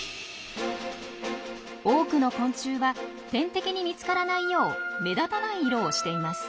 多くの昆虫は天敵に見つからないよう目立たない色をしています。